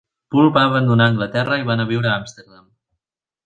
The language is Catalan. Poole va abandonar Anglaterra i va anar a viure a Amsterdam.